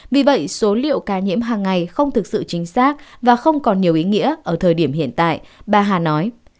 vì vậy số liệu ca nhiễm hàng ngày không thực sự chính xác và không còn nhiều ý nghĩa ở thời điểm hiện tại bà hà nói